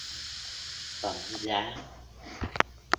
phẩm giá